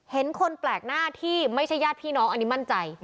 เห็นคนแปลกหน้าที่ไม่ใช่ญาติพี่น้องอันนี้มั่นใจ